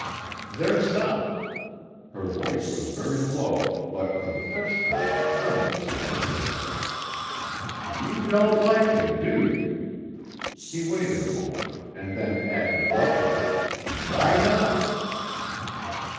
"Their son." Her voice was very low, but for the first time it trembled slightly. "You don't like him, do you?" He waited a moment, and then added abruptly: "Why not?"